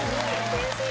悔しい。